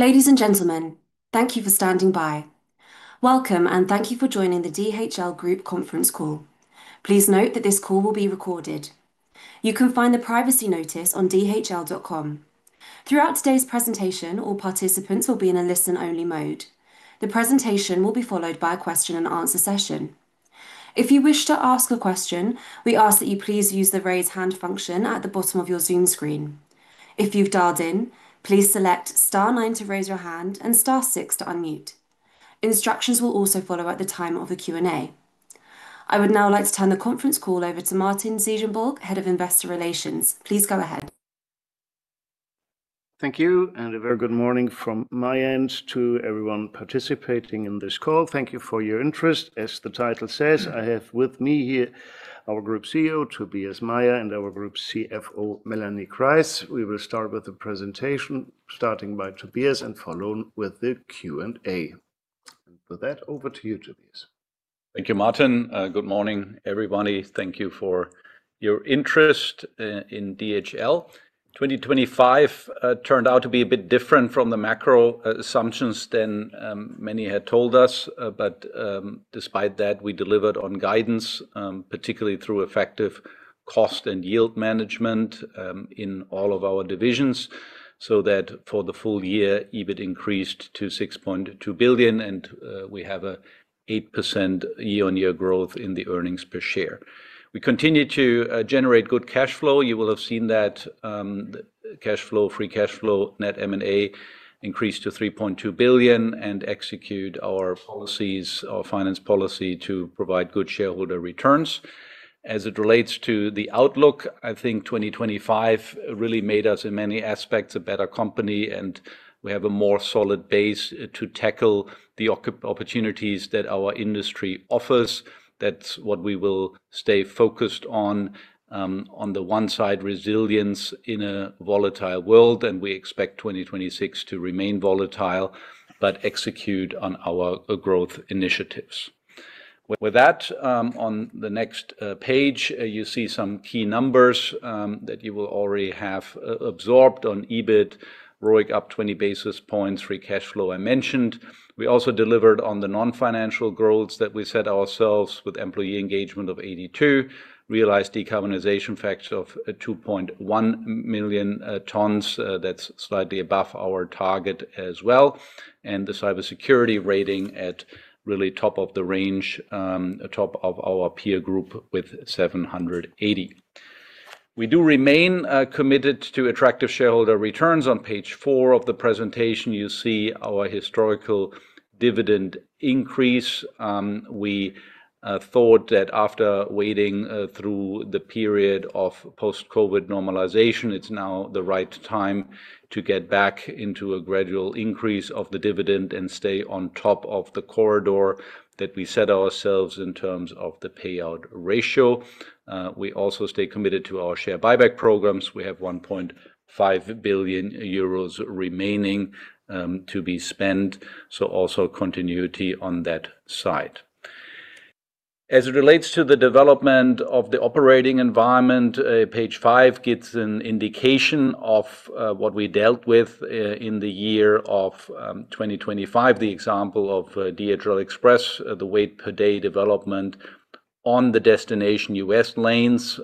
Ladies and gentlemen, thank you for standing by. Welcome and thank you for joining the DHL Group conference call. Please note that this call will be recorded. You can find the privacy notice on dhl.com. Throughout today's presentation, all participants will be in a listen-only mode. The presentation will be followed by a question-and-answer session. If you wish to ask a question, we ask that you please use the Raise Hand function at the bottom of your Zoom screen. If you've dialed in, please select star nine to raise your hand and star six to unmute. Instructions will also follow at the time of the Q&A. I would now like to turn the conference call over to Martin Ziegenbalg, Head of Investor Relations. Please go ahead. Thank you and a very good morning from my end to everyone participating in this call. Thank you for your interest. As the title says, I have with me here our Group CEO, Tobias Meyer, and our Group CFO, Melanie Kreis. We will start with the presentation starting by Tobias and follow with the Q&A. With that, over to you, Tobias. Thank you, Martin. Good morning, everybody. Thank you for your interest, in DHL. 2025, turned out to be a bit different from the macro assumptions than many had told us. Despite that, we delivered on guidance, particularly through effective cost and yield management, in all of our divisions, so that for the full year, EBIT increased to 6.2 billion and we have a 8% year-on-year growth in the earnings per share. We continue to generate good cash flow. You will have seen that, cash flow, free cash flow, net M&A increased to 3.2 billion and execute our policies, our finance policy to provide good shareholder returns. As it relates to the outlook, I think 2025 really made us, in many aspects, a better company, and we have a more solid base to tackle the opportunities that our industry offers. That's what we will stay focused on. On the one side, resilience in a volatile world, and we expect 2026 to remain volatile but execute on our growth initiatives. With that, on the next Page, you see some key numbers that you will already have absorbed on EBIT, ROIC up 20 basis points, free cash flow, I mentioned. We also delivered on the non-financial goals that we set ourselves with employee engagement of 82, realized decarbonization factor of 2.1 million tons. That's slightly above our target as well. The cybersecurity rating at really top of the range, top of our peer group with 780. We do remain committed to attractive shareholder returns. On Page four of the presentation, you see our historical dividend increase. We thought that after wading through the period of post-COVID normalization, it's now the right time to get back into a gradual increase of the dividend and stay on top of the corridor that we set ourselves in terms of the payout ratio. We also stay committed to our share buyback programs. We have 1.5 billion euros remaining to be spent. Also continuity on that side. As it relates to the development of the operating environment, Page five gives an indication of what we dealt with in the year of 2025. The example of DHL Express, the weight per day development on the destination U.S. lanes,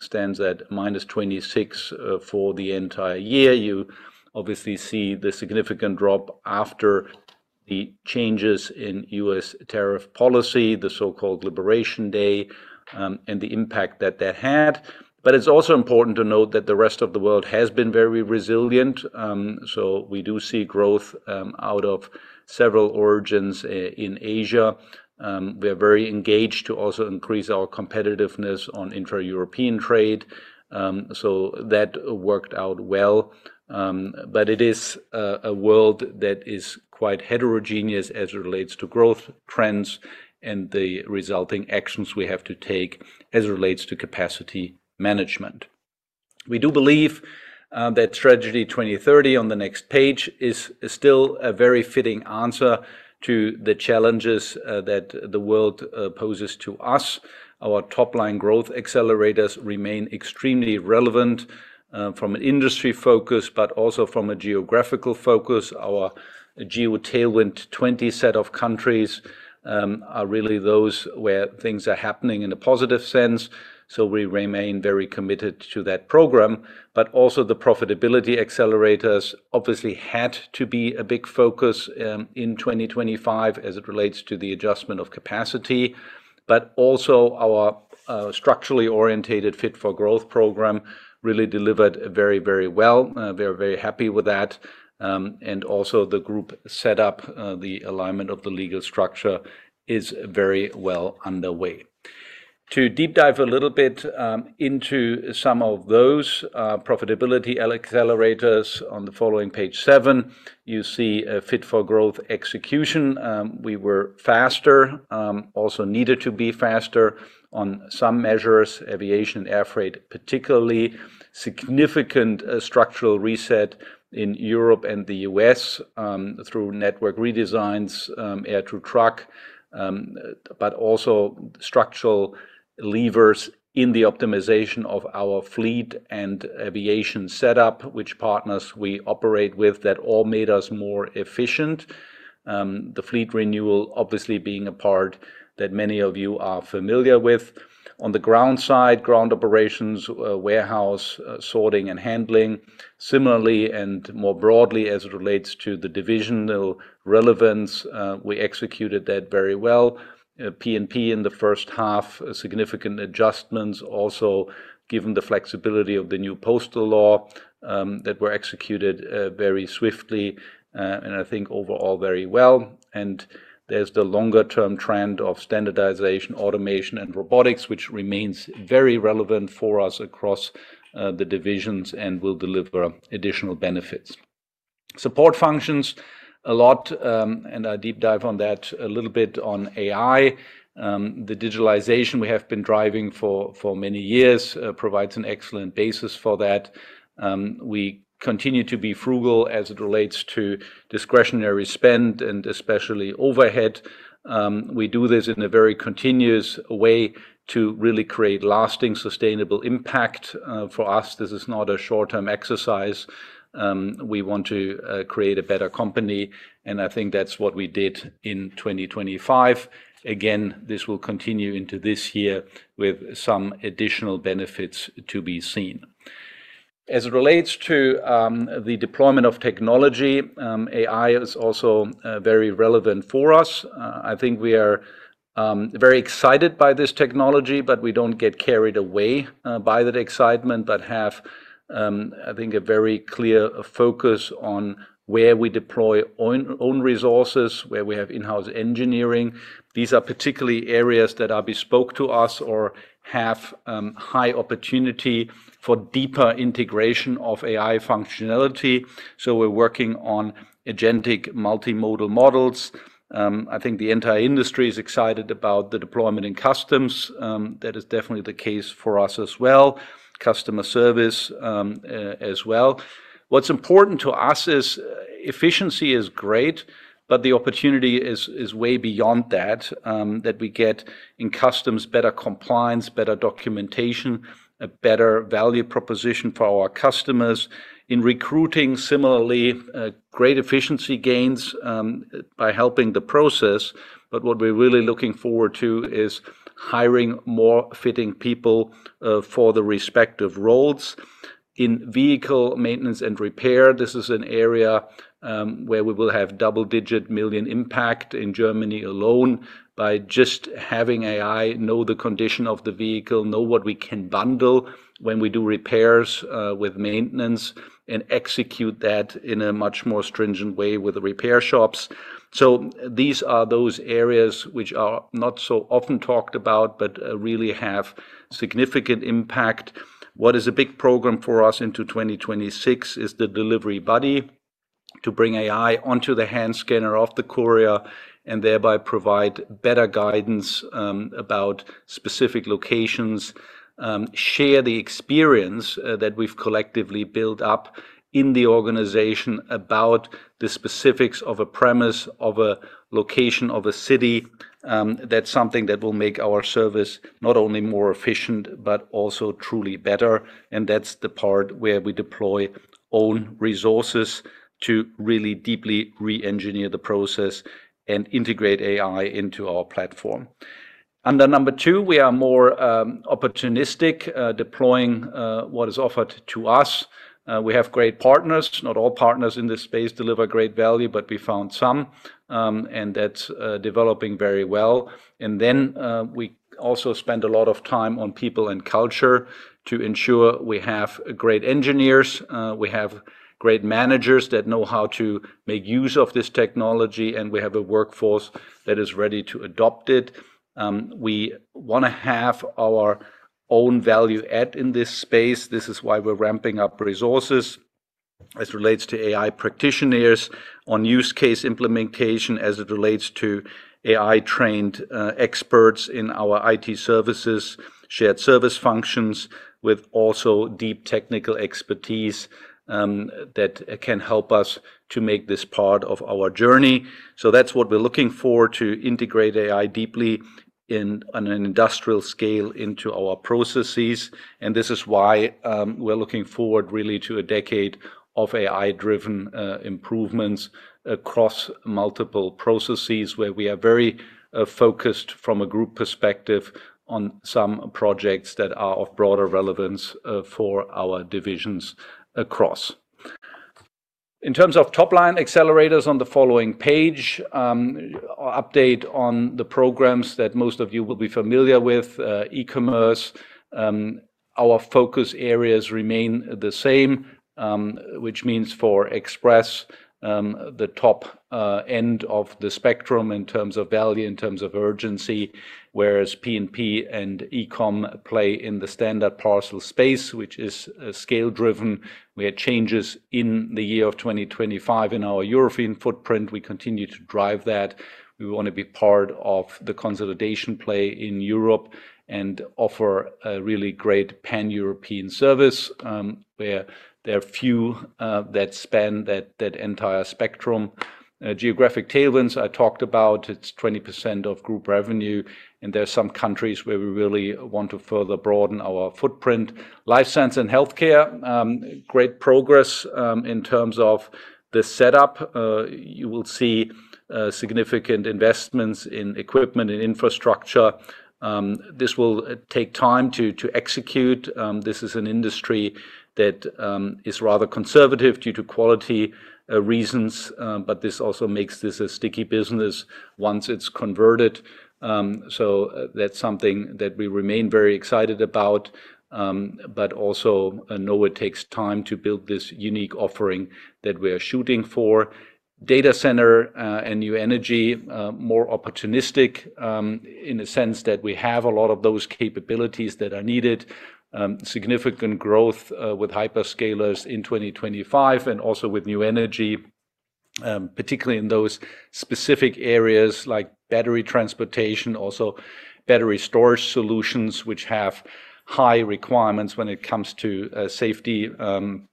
stands at -26 for the entire year. You obviously see the significant drop after the changes in UPS. tariff policy, the so-called Liberation Day, and the impact that that had. It's also important to note that the rest of the world has been very resilient. We do see growth out of several origins in Asia. We are very engaged to also increase our competitiveness on intra-European trade, that worked out well. It is a world that is quite heterogeneous as it relates to growth trends and the resulting actions we have to take as it relates to capacity management. We do believe that Strategy 2030 on the next Page is still a very fitting answer to the challenges that the world poses to us. Our top-line growth accelerators remain extremely relevant from an industry focus but also from a geographical focus. Our Geo tailwind 20 set of countries are really those where things are happening in a positive sense, so we remain very committed to that program. Also the profitability accelerators obviously had to be a big focus in 2025 as it relates to the adjustment of capacity. Also our structurally orientated Fit for Growth program really delivered very, very well. We're very happy with that. Also the group set up, the alignment of the legal structure is very well underway. To deep dive a little bit, into some of those profitability accelerators on the following Page seven, you see a Fit for Growth execution. We were faster, also needed to be faster on some measures, Aviation and Air Freight, particularly. Significant structural reset in Europe and the U.S., through network redesigns, air to truck, but also structural levers in the optimization of our fleet and aviation setup, which partners we operate with that all made us more efficient. The fleet renewal obviously being a part that many of you are familiar with. On the ground side, ground operations, warehouse, sorting and handling. Similarly, more broadly as it relates to the divisional relevance, we executed that very well. P&P in the first half, significant adjustments also given the flexibility of the new postal law, that were executed very swiftly, and I think overall very well. There's the longer-term trend of standardization, automation, and robotics, which remains very relevant for us across the divisions and will deliver additional benefits. Support functions a lot, and I deep dive on that a little bit on AI. The digitalization we have been driving for many years, provides an excellent basis for that. We continue to be frugal as it relates to discretionary spend and especially overhead. We do this in a very continuous way to really create lasting sustainable impact. For us, this is not a short-term exercise. We want to create a better company, and I think that's what we did in 2025. Again, this will continue into this year with some additional benefits to be seen. As it relates to the deployment of technology, AI is also very relevant for us. I think we are very excited by this technology, but we don't get carried away by that excitement. Have I think a very clear focus on where we deploy own resources, where we have in-house engineering. These are particularly areas that are bespoke to us or have high opportunity for deeper integration of AI functionality. We're working on agentic multimodal models. I think the entire industry is excited about the deployment in customs. That is definitely the case for us as well. Customer service, as well. What's important to us is efficiency is great, but the opportunity is way beyond that we get in customs, better compliance, better documentation, a better value proposition for our customers. In recruiting similarly, great efficiency gains by helping the process. What we're really looking forward to is hiring more fitting people for the respective roles. In vehicle maintenance and repair, this is an area where we will have double-digit million impact in Germany alone by just having AI know the condition of the vehicle, know what we can bundle when we do repairs with maintenance, and execute that in a much more stringent way with the repair shops. These are those areas which are not so often talked about but really have significant impact. What is a big program for us into 2026 is the Delivery Buddy to bring AI onto the hand scanner of the courier and thereby provide better guidance about specific locations. Share the experience that we've collectively built up in the organization about the specifics of a premise of a location of a city. That's something that will make our service not only more efficient but also truly better. That's the part where we deploy own resources to really deeply re-engineer the process and integrate AI into our platform. Under number two, we are more opportunistic, deploying what is offered to us. We have great partners. Not all partners in this space deliver great value, but we found some, and that's developing very well. We also spend a lot of time on people and culture to ensure we have great engineers, we have great managers that know how to make use of this technology, and we have a workforce that is ready to adopt it. We wanna have our own value add in this space. This is why we're ramping up resources as relates to AI practitioners on use case implementation as it relates to AI-trained experts in our IT services, shared service functions with also deep technical expertise that can help us to make this part of our journey. That's what we're looking for to integrate AI deeply on an industrial scale into our processes. This is why we're looking forward really to a decade of AI-driven improvements across multiple processes where we are very focused from a group perspective on some projects that are of broader relevance for our divisions across. In terms of top-line accelerators on the following Page, update on the programs that most of you will be familiar with, e-commerce. Our focus areas remain the same, which means for Express, the top end of the spectrum in terms of value, in terms of urgency, whereas P&P and eCommerce play in the standard parcel space, which is scale-driven. We had changes in the year of 2025 in our European footprint. We continue to drive that. We wanna be part of the consolidation play in Europe and offer a really great Pan-European service, where there are few that span that entire spectrum. Geographic tailwinds I talked about. It's 20% of Group revenue, there are some countries where we really want to further broaden our footprint. Life science and healthcare, great progress in terms of the setup. You will see significant investments in equipment and infrastructure. This will take time to execute. This is an industry that is rather conservative due to quality reasons, but this also makes this a sticky business once it's converted. That's something that we remain very excited about, but also know it takes time to build this unique offering that we are shooting for. Data center, and new energy, more opportunistic, in the sense that we have a lot of those capabilities that are needed. Significant growth, with hyperscalers in 2025 and also with new energy, particularly in those specific areas like battery transportation, also battery storage solutions, which have high requirements when it comes to safety and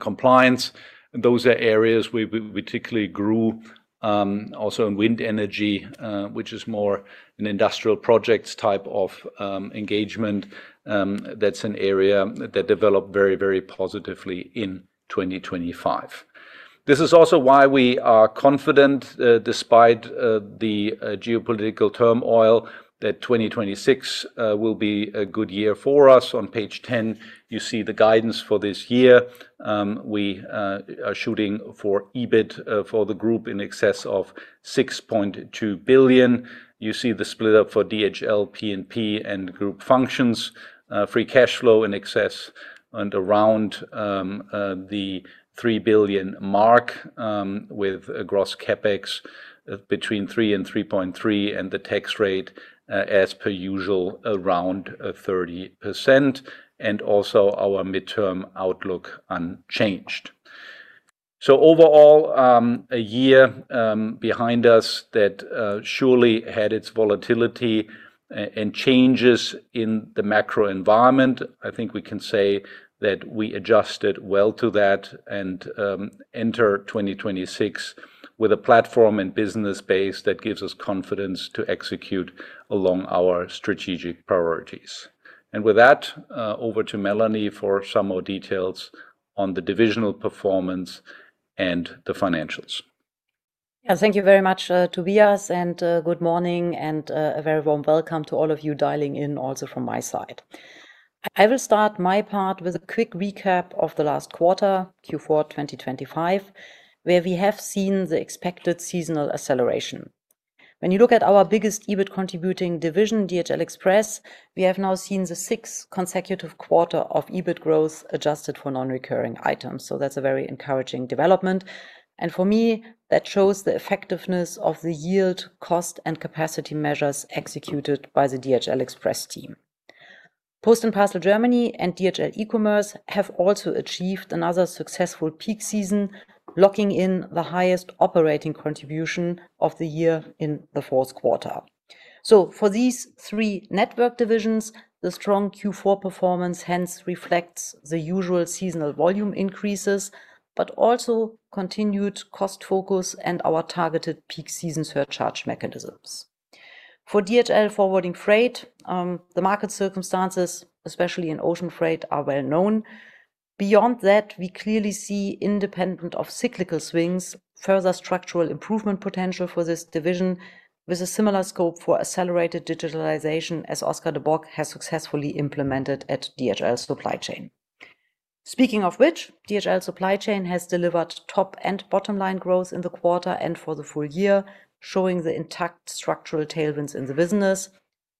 compliance. Those are areas we particularly grew, also in wind energy, which is more an industrial projects type of engagement. That's an area that developed very, very positively in 2025. This is also why we are confident, despite the geopolitical turmoil that 2026 will be a good year for us. On Page ten, you see the guidance for this year. We are shooting for EBIT for the group in excess of 6.2 billion. You see the split up for DHL P&P and group functions. Free cash flow in excess and around the 3 billion mark, with a gross CapEx between 3 billion and 3.3 billion and the tax rate as per usual around 30%, and also our midterm outlook unchanged. Overall, a year behind us that surely had its volatility and changes in the macro environment. I think we can say that we adjusted well to that and enter 2026 with a platform and business base that gives us confidence to execute along our strategic priorities. With that, over to Melanie for some more details on the divisional performance and the financials. Thank you very much, Tobias, good morning and a very warm welcome to all of you dialing in also from my side. I will start my part with a quick recap of the last quarter, Q4 2025, where we have seen the expected seasonal acceleration. When you look at our biggest EBIT contributing division, DHL Express, we have now seen the 6th consecutive quarter of EBIT growth adjusted for non-recurring items. That's a very encouraging development. For me, that shows the effectiveness of the yield, cost, and capacity measures executed by the DHL Express team. Post and Parcel Germany and DHL eCommerce have also achieved another successful peak season, locking in the highest operating contribution of the year in the 4th quarter. For these three network divisions, the strong Q4 performance hence reflects the usual seasonal volume increases but also continued cost focus and our targeted peak season surcharge mechanisms. For DHL Forwarding Freight, the market circumstances, especially in ocean freight, are well known. Beyond that, we clearly see independent of cyclical swings, further structural improvement potential for this division with a similar scope for accelerated digitalization as Oscar de Bok has successfully implemented at DHL Supply Chain. Speaking of which, DHL Supply Chain has delivered top and bottom line growth in the quarter and for the full year, showing the intact structural tailwinds in the business,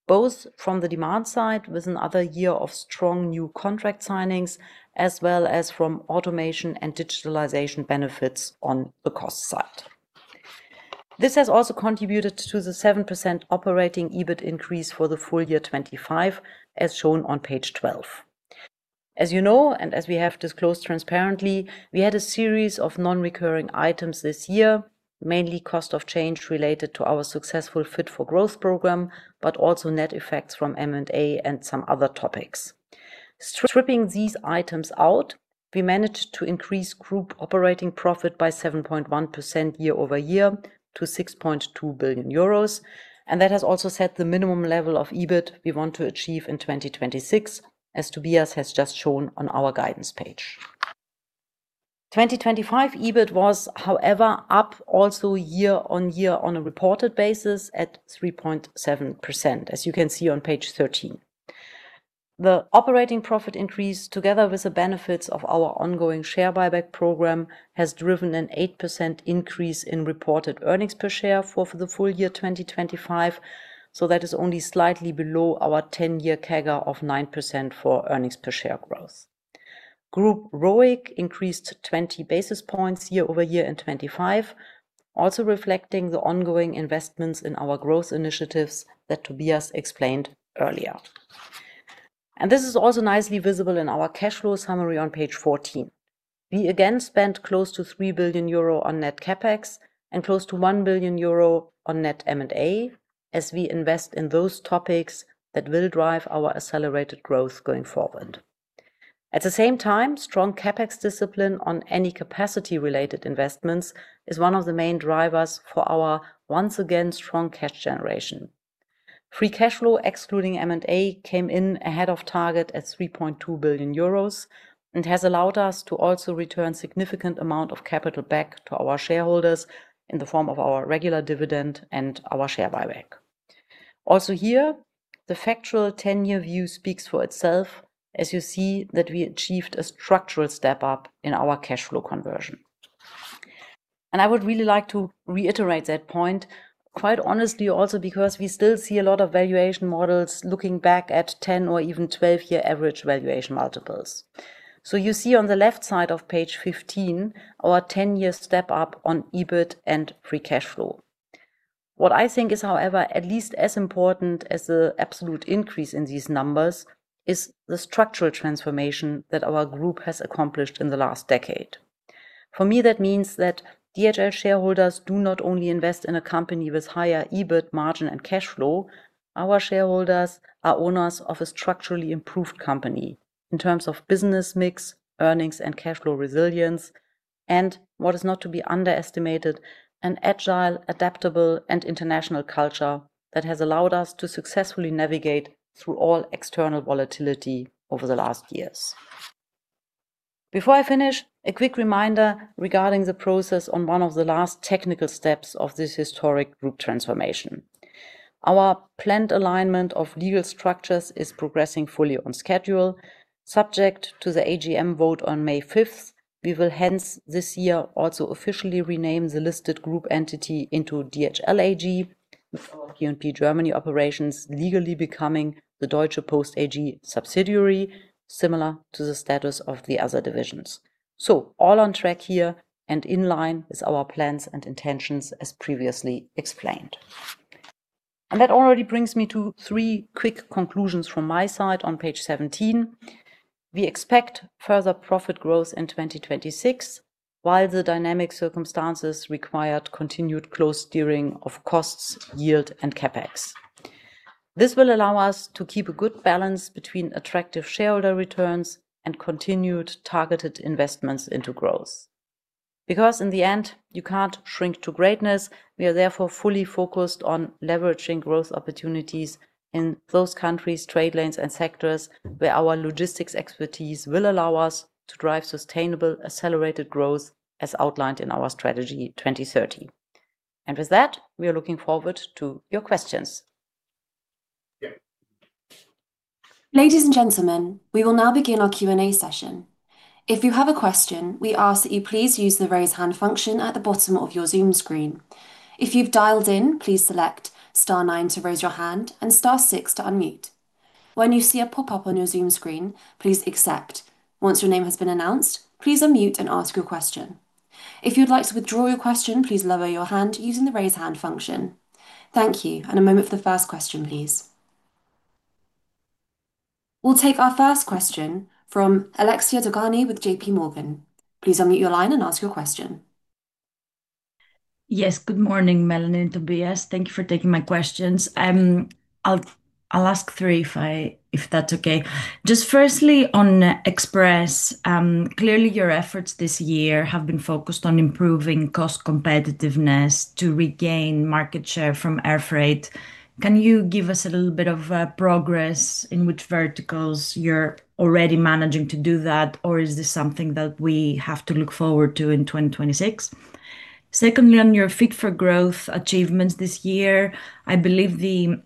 both from the demand side with another year of strong new contract signings, as well as from automation and digitalization benefits on the cost side. This has also contributed to the 7% operating EBIT increase for the full year 2025, as shown on Page 12. As you know, and as we have disclosed transparently, we had a series of non-recurring items this year, mainly cost of change related to our successful Fit for Growth program, but also net effects from M&A and some other topics. Stripping these items out, we managed to increase group operating profit by 7.1% year-over-year to 6.2 billion euros, that has also set the minimum level of EBIT we want to achieve in 2026, as Tobias has just shown on our guidance Page. 2025 EBIT was, however, up also year-on-year on a reported basis at 3.7%, as you can see on Page 13. The operating profit increase, together with the benefits of our ongoing share buyback program, has driven an 8% increase in reported EPS for the full year 2025. That is only slightly below our 10-year CAGR of 9% for EPS growth. Group ROIC increased 20 basis points year-over-year in 2025, also reflecting the ongoing investments in our growth initiatives that Tobias explained earlier. This is also nicely visible in our cash flow summary on Page 14. We again spent close to 3 billion euro on net CapEx and close to 1 billion euro on net M&A as we invest in those topics that will drive our accelerated growth going forward. At the same time, strong CapEx discipline on any capacity-related investments is one of the main drivers for our once again strong cash generation. Free cash flow, excluding M&A, came in ahead of target at 3.2 billion euros and has allowed us to also return significant amount of capital back to our shareholders in the form of our regular dividend and our share buyback. Also here, the factual 10-year view speaks for itself as you see that we achieved a structural step up in our cash flow conversion. I would really like to reiterate that point quite honestly also because we still see a lot of valuation models looking back at 10 or even 12-year average valuation multiples. You see on the left side of Page 15 our 10-year step up on EBIT and free cash flow. What I think is, however, at least as important as the absolute increase in these numbers is the structural transformation that our group has accomplished in the last decade. For me, that means that DHL shareholders do not only invest in a company with higher EBIT margin and cash flow, our shareholders are owners of a structurally improved company in terms of business mix, earnings and cash flow resilience and, what is not to be underestimated, an agile, adaptable and international culture that has allowed us to successfully navigate through all external volatility over the last years. Before I finish, a quick reminder regarding the process on one of the last technical steps of this historic group transformation. Our planned alignment of legal structures is progressing fully on schedule. Subject to the AGM vote on May 5th, we will hence this year also officially rename the listed group entity into DHL AG with our Post & Parcel Germany operations legally becoming the Deutsche Post AG subsidiary, similar to the status of the other divisions. All on track here and in line with our plans and intentions as previously explained. That already brings me to three quick conclusions from my side on Page 17. We expect further profit growth in 2026 while the dynamic circumstances require continued close steering of costs, yield and CapEx. This will allow us to keep a good balance between attractive shareholder returns and continued targeted investments into growth. In the end, you can't shrink to greatness, we are therefore fully focused on leveraging growth opportunities in those countries, trade lanes and sectors where our logistics expertise will allow us to drive sustainable accelerated growth as outlined in our Strategy 2030. With that, we are looking forward to your questions. Ladies and gentlemen, we will now begin our Q&A session. If you have a question, we ask that you please use the raise hand function at the bottom of your Zoom screen. If you've dialed in, please select star nine to raise your hand and star six to unmute. When you see a pop-up on your Zoom screen, please accept. Once your name has been announced, please unmute and ask your question. If you'd like to withdraw your question, please lower your hand using the raise hand function. Thank you and a moment for the first question, please. We'll take our first question from Alexia Dogani with JP Morgan. Please unmute your line and ask your question. Yes. Good morning, Melanie and Tobias. Thank you for taking my questions. I'll ask three if that's okay. Just firstly on DHL Express, clearly your efforts this year have been focused on improving cost competitiveness to regain market share from air freight. Can you give us a little bit of progress in which verticals you're already managing to do that? Or is this something that we have to look forward to in 2026? Secondly, on your Fit for Growth achievements this year, I believe the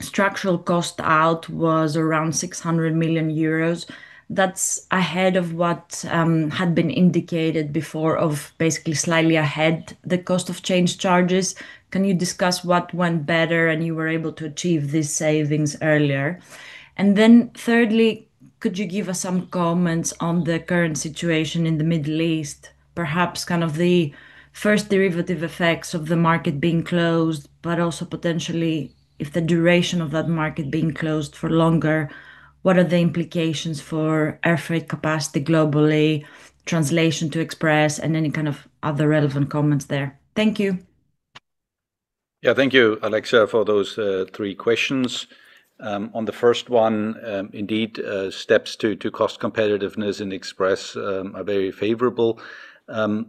structural cost out was around 600 million euros. That's ahead of what had been indicated before of basically slightly ahead the cost of change charges. Can you discuss what went better and you were able to achieve these savings earlier? Thirdly, could you give us some comments on the current situation in the Middle East? Perhaps kind of the first derivative effects of the market being closed, but also potentially if the duration of that market being closed for longer, what are the implications for air freight capacity globally, translation to Express and any kind of other relevant comments there? Thank you. Yeah. Thank you, Alexia, for those three questions. On the first one, indeed, steps to cost competitiveness in Express are very favorable.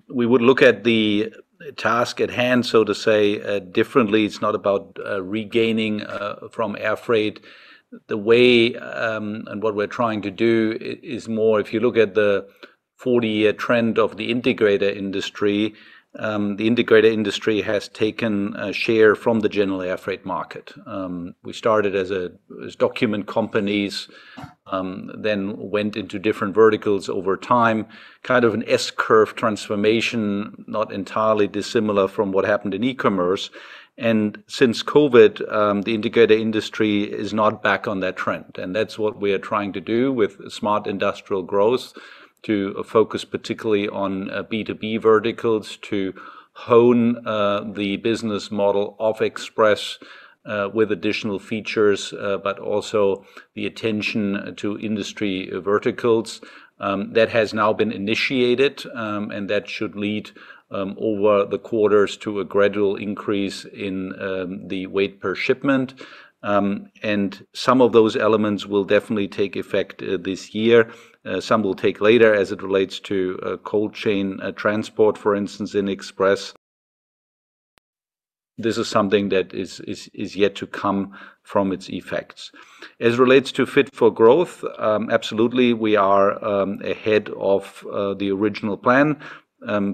We would look at the task at hand, so to say, differently. It's not about regaining from air freight. What we're trying to do is more if you look at the 40-year trend of the integrator industry, the integrator industry has taken a share from the general air freight market. We started as document companies, then went into different verticals over time, kind of an S-curve transformation, not entirely dissimilar from what happened in e-commerce. Since COVID, the integrator industry is not back on that trend. That's what we are trying to do with smart industrial growth to focus particularly on B2B verticals to Hone the business model of Express with additional features, but also the attention to industry verticals, that has now been initiated, and that should lead over the quarters to a gradual increase in the weight per shipment. Some of those elements will definitely take effect this year. Some will take later as it relates to cold chain transport, for instance, in Express. This is something that is yet to come from its effects. As it relates to Fit for Growth, absolutely we are ahead of the original plan,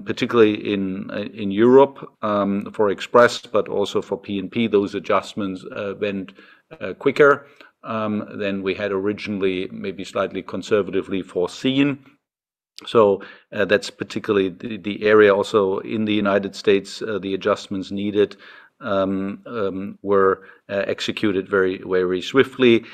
particularly in Europe, for Express but also for P&P. Those adjustments went quicker than we had originally, maybe slightly conservatively foreseen. That's particularly the area also in the United States, the adjustments needed were executed very, very swiftly.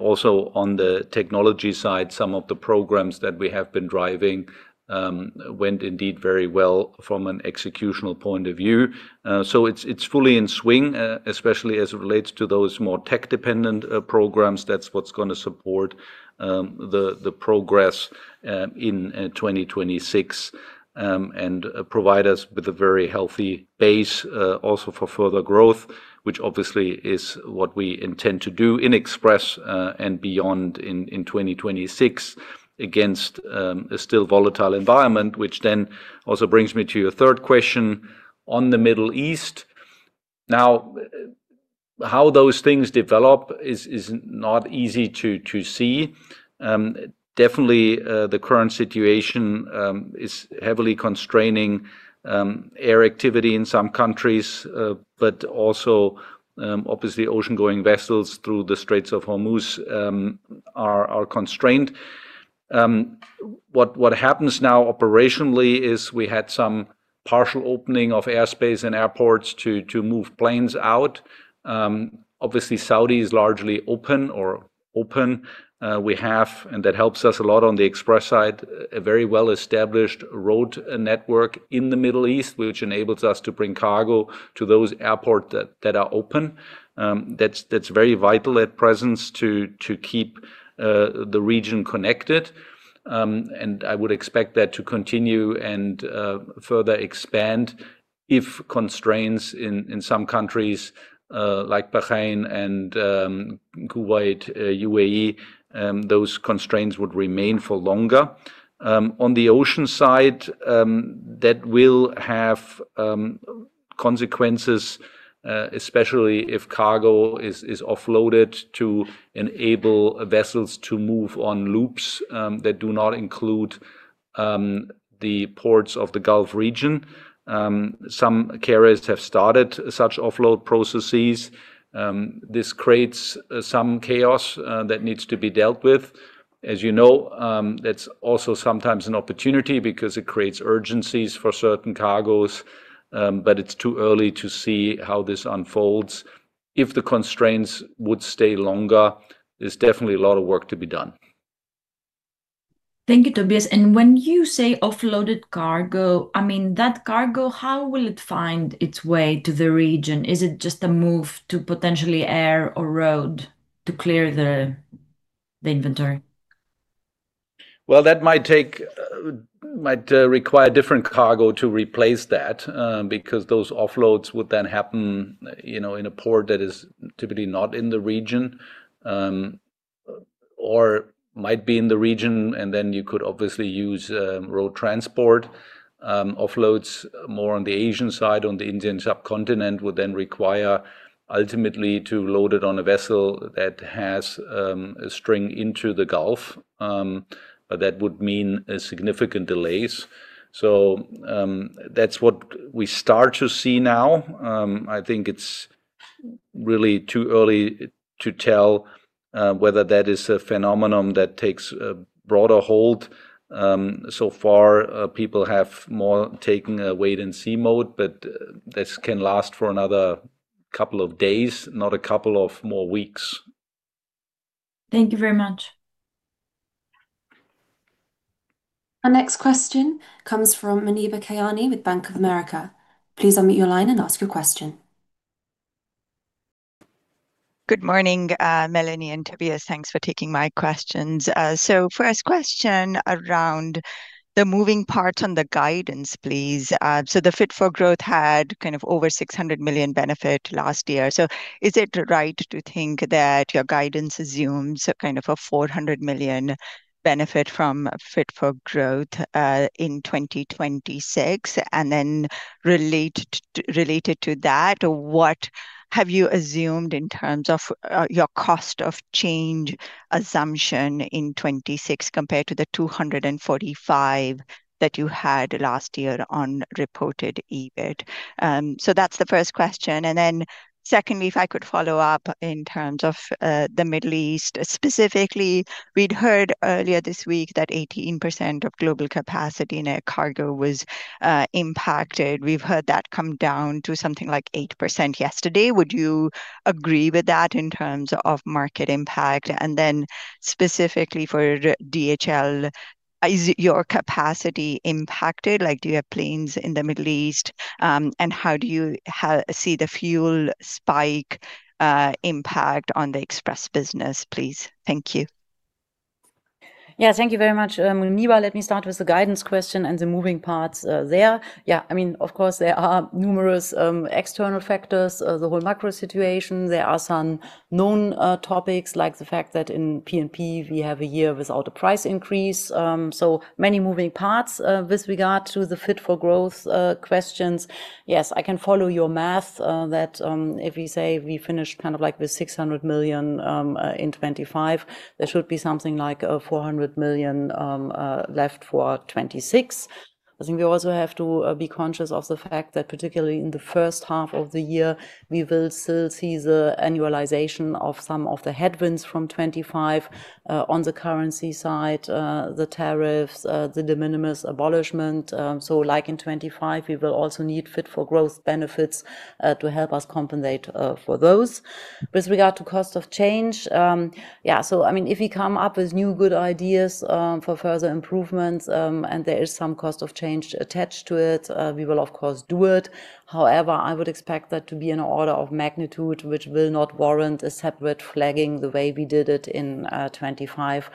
Also on the technology side, some of the programs that we have been driving went indeed very well from an executional point of view. It's fully in swing, especially as it relates to those more tech-dependent programs. That's what's gonna support the progress in 2026 and provide us with a very healthy base also for further growth, which obviously is what we intend to do in Express and beyond in 2026 against a still volatile environment, which then also brings me to your third question on the Middle East. How those things develop is not easy to see. Definitely, the current situation is heavily constraining air activity in some countries, but also obviously ocean-going vessels through the Strait of Hormuz are constrained. What happens now operationally is we had some partial opening of airspace and airports to move planes out. Obviously Saudi is largely open or open. We have, and that helps us a lot on the Express side, a very well-established road network in the Middle East, which enables us to bring cargo to those airport that are open. That's very vital at presence to keep the region connected. I would expect that to continue and further expand if constraints in some countries like Bahrain and Kuwait, UAE, those constraints would remain for longer. On the ocean side, that will have consequences, especially if cargo is offloaded to enable vessels to move on loops that do not include the ports of the Gulf region. Some carriers have started such offload processes. This creates some chaos that needs to be dealt with. As you know, that's also sometimes an opportunity because it creates urgencies for certain cargoes, but it's too early to see how this unfolds. If the constraints would stay longer, there's definitely a lot of work to be done. Thank you, Tobias. When you say offloaded cargo, I mean, that cargo, how will it find its way to the region? Is it just a move to potentially air or road to clear the inventory? Well, that might require different cargo to replace that, because those offloads would then happen, you know, in a port that is typically not in the region. Or might be in the region, you could obviously use road transport. Offloads more on the Asian side, on the Indian subcontinent would require ultimately to load it on a vessel that has a string into the Gulf. That would mean significant delays. That's what we start to see now. I think it's really too early to tell whether that is a phenomenon that takes a broader hold. So far, people have more taken a wait-and-see mode, this can last for another couple of days, not a couple of more weeks. Thank you very much. Our next question comes from Muneeba Kayani with Bank of America. Please unmute your line and ask your question. Good morning, Melanie and Tobias. Thanks for taking my questions. First question around the moving parts on the guidance, please. Is it right to think that your guidance assumes kind of a 400 million benefit from Fit for Growth in 2026? Related to that, what have you assumed in terms of your cost of change assumption in 2026 compared to the 245 million that you had last year on reported EBIT? That's the first question. Secondly, if I could follow up in terms of the Middle East specifically. We'd heard earlier this week that 18% of global capacity in air cargo was impacted. We've heard that come down to something like 8% yesterday. Would you agree with that in terms of market impact? Specifically for DHL, is your capacity impacted? Like, do you have planes in the Middle East? How do you see the fuel spike impact on the Express business, please? Thank you. Yeah, thank you very much, Muneeba Kayani. Let me start with the guidance question and the moving parts there. Yeah, I mean, of course, there are numerous external factors, the whole macro situation. There are some known topics, like the fact that in P&P we have a year without a price increase. Many moving parts. With regard to the Fit for Growth questions, yes, I can follow your math that if we say we finish kind of like with 600 million in 2025, there should be something like 400 million left for 2026. I think we also have to be conscious of the fact that particularly in the first half of the year, we will still see the annualization of some of the headwinds from 2025 on the currency side. The tariffs, the de minimis abolishment. Like in 2025, we will also need Fit for Growth benefits to help us compensate for those. With regard to cost of change, yeah, I mean, if we come up with new good ideas for further improvements, and there is some cost of change attached to it, we will of course do it. However, I would expect that to be in an order of magnitude which will not warrant a separate flagging the way we did it in 2025.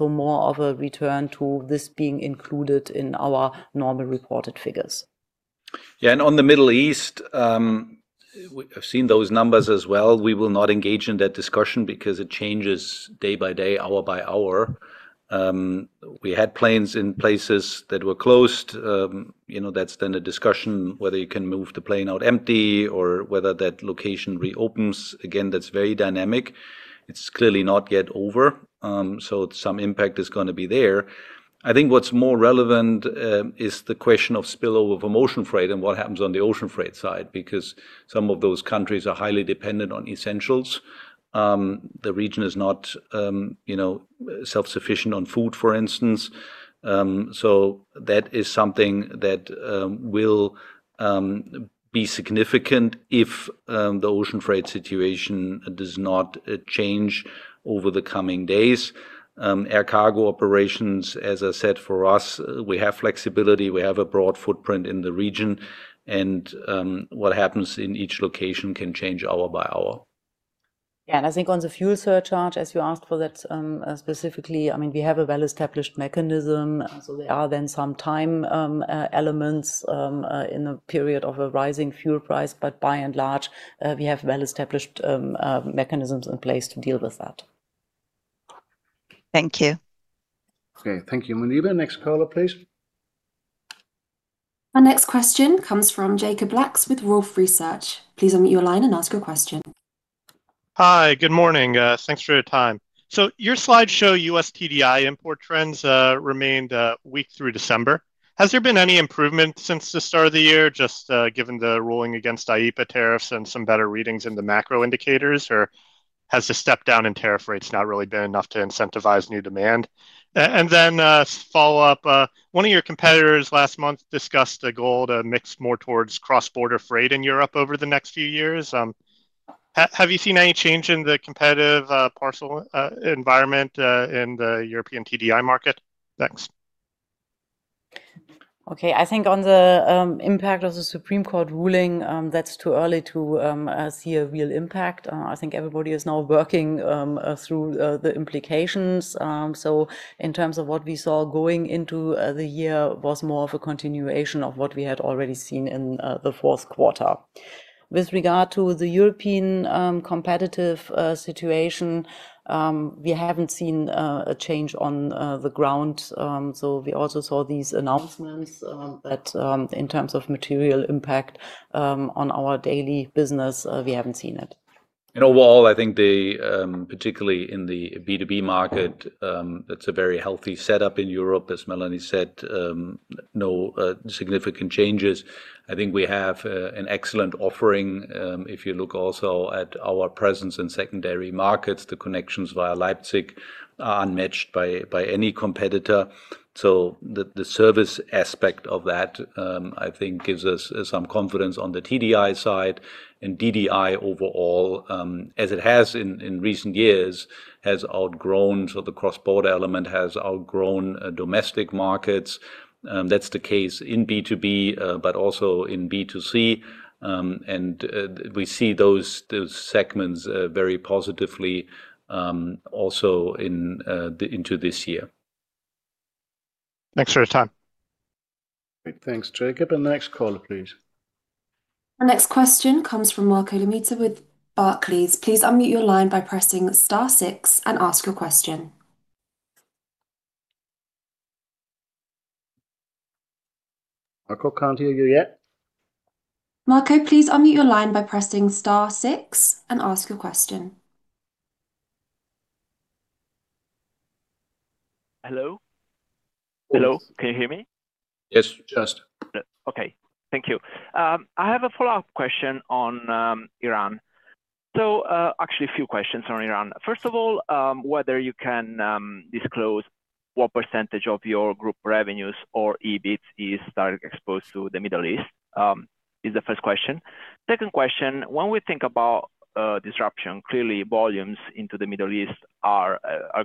More of a return to this being included in our normal reported figures. On the Middle East, I've seen those numbers as well. We will not engage in that discussion because it changes day by day, hour by hour. We had planes in places that were closed. you know, that's then a discussion whether you can move the plane out empty or whether that location reopens. Again, that's very dynamic. It's clearly not yet over. Some impact is gonna be there. I think what's more relevant, is the question of spillover from ocean freight and what happens on the ocean freight side, because some of those countries are highly dependent on essentials. The region is not, you know, self-sufficient on food, for instance. That is something that will be significant if the ocean freight situation does not change over the coming days. Air cargo operations, as I said, for us, we have flexibility. We have a broad footprint in the region, and what happens in each location can change hour by hour. I think on the fuel surcharge, as you asked for that, specifically, I mean, we have a well-established mechanism. There are then some time elements in the period of a rising fuel price. By and large, we have well-established mechanisms in place to deal with that. Thank you. Okay. Thank you, Muneeba. Next caller, please. Our next question comes from Jacob Lacks with Wolfe Research. Please unmute your line and ask your question. Hi, good morning. Thanks for your time. Your slide show, U.S. TDI import trends, remained weak through December. Has there been any improvement since the start of the year, just given the ruling against IEEPA tariffs and some better readings in the macro indicators? Has the step down in tariff rates not really been enough to incentivize new demand? Follow-up. One of your competitors last month discussed a goal to mix more towards cross-border freight in Europe over the next few years. Have you seen any change in the competitive parcel environment in the European TDI market? Thanks. I think on the impact of the Supreme Court ruling, that's too early to see a real impact. I think everybody is now working through the implications. In terms of what we saw going into the year was more of a continuation of what we had already seen in the fourth quarter. With regard to the European competitive situation, we haven't seen a change on the ground. We also saw these announcements, but in terms of material impact on our daily business, we haven't seen it. In overall, I think the particularly in the B2B market, that's a very healthy setup in Europe. As Melanie said, no significant changes. I think we have an excellent offering. If you look also at our presence in secondary markets, the connections via Leipzig are unmatched by any competitor. The service aspect of that, I think gives us some confidence on the TDI side. DDI overall, as it has in recent years, has outgrown. The cross-border element has outgrown domestic markets. That's the case in B2B, but also in B2C. We see those segments very positively also into this year. Thanks for your time. Great. Thanks, Jacob. Next caller, please. Our next question comes from Marco Limite with Barclays. Please unmute your line by pressing star six and ask your question. Marco, can't hear you yet. Marco, please unmute your line by pressing star six and ask your question. Hello? Yes. Hello, can you hear me? Yes, just. Okay. Thank you. I have a follow-up question on Iran. Actually a few questions on Iran. First of all, whether you can disclose what percentage of your group revenues or EBITs is directly exposed to the Middle East is the first question. Second question, when we think about disruption, clearly volumes into the Middle East are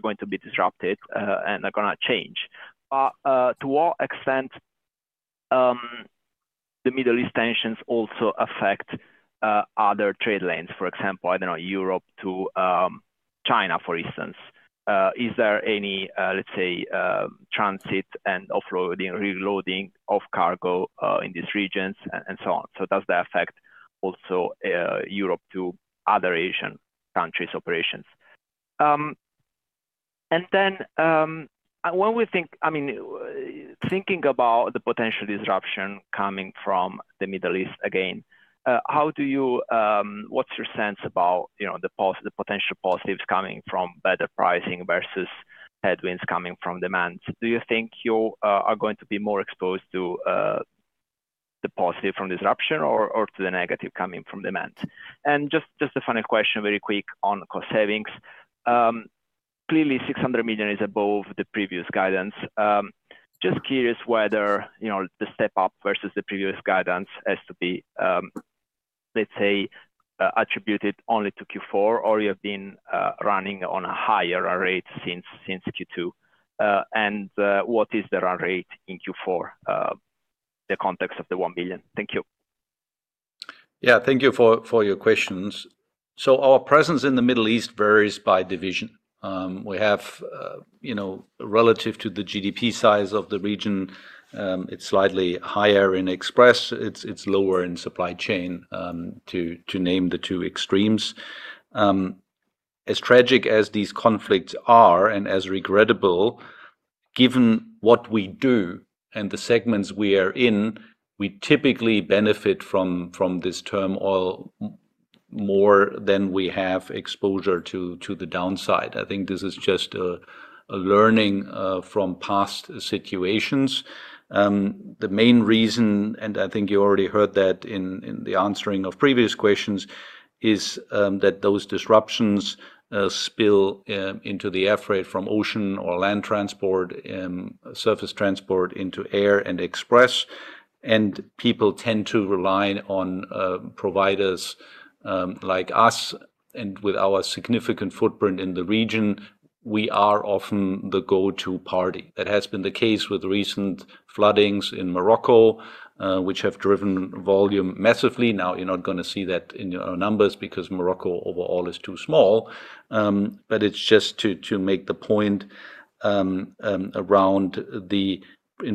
going to be disrupted and are gonna change. To what extent the Middle East tensions also affect other trade lanes? For example, I don't know, Europe to China, for instance. Is there any, let's say, transit and offloading, reloading of cargo in these regions and so on? Does that affect also Europe to other Asian countries' operations? When we think... I mean, thinking about the potential disruption coming from the Middle East again, how do you, what's your sense about, you know, the potential positives coming from better pricing versus headwinds coming from demand? Do you think you are going to be more exposed to the positive from disruption or to the negative coming from demand? Just a final question, very quick on cost savings. Clearly 600 million is above the previous guidance. Just curious whether, you know, the step up versus the previous guidance has to be, let's say, attributed only to Q4 or you have been running on a higher run rate since Q2. What is the run rate in Q4, the context of the 1 billion? Thank you. Yeah. Thank you for your questions. Our presence in the Middle East varies by division. We have, you know, relative to the GDP size of the region, it's slightly higher in DHL Express, it's lower in DHL Supply Chain, to name the two extremes. As tragic as these conflicts are and as regrettable, given what we do and the segments we are in, we typically benefit from this turmoil more than we have exposure to the downside. I think this is just a learning from past situations. The main reason, and I think you already heard that in the answering of previous questions, is that those disruptions spill into the air freight from ocean or land transport, surface transport into air and DHL Express. People tend to rely on providers like us and with our significant footprint in the region, we are often the go-to party. That has been the case with recent floodings in Morocco, which have driven volume massively. You're not gonna see that in our numbers because Morocco overall is too small. But it's just to make the point around the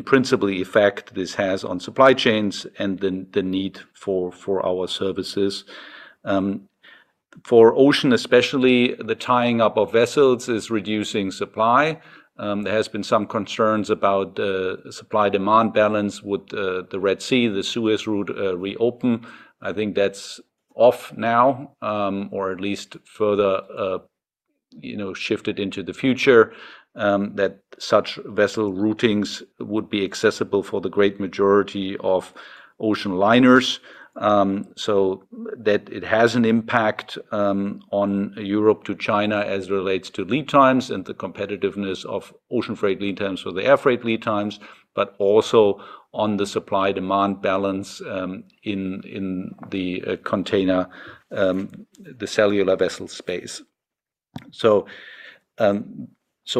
principally effect this has on supply chains and the need for our services. For ocean especially, the tying up of vessels is reducing supply. There has been some concerns about supply-demand balance. Would the Red Sea, the Suez Route reopen? I think that's off now, or at least further, you know, shifted into the future, that such vessel routings would be accessible for the great majority of ocean liners. That it has an impact on Europe to China as it relates to lead times and the competitiveness of ocean freight lead times with the air freight lead times, but also on the supply-demand balance in the container, the cellular vessel space.